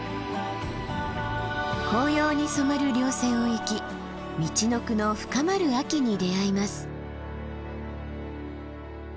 紅葉に染まる稜線を行きみちのくの深まる秋に出会います。